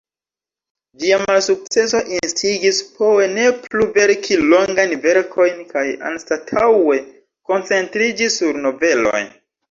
Ĝia malsukceso instigis Poe ne plu verki longajn verkojn, kaj anstataŭe koncentriĝi sur noveloj.